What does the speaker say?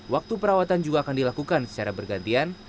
waktu perawatan juga akan dilakukan secara bergantian